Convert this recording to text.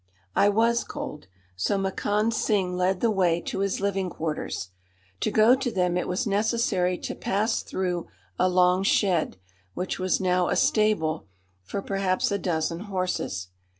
I was cold. So Makand Singh led the way to his living quarters. To go to them it was necessary to pass through a long shed, which was now a stable for perhaps a dozen horses.